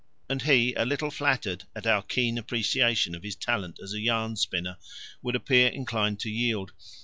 And he, a little flattered at our keen appreciation of his talent as a yarn spinner, would appear inclined to yield.